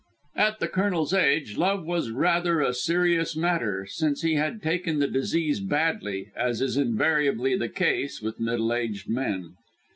At the Colonel's age love was rather a serious matter, since he had taken the disease badly, as is invariably the case with middle aged men.